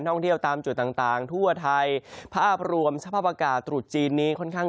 ท่องเที่ยวตามจุดต่างต่างทั่วไทยภาพรวมสภาพอากาศตรุษจีนนี้ค่อนข้าง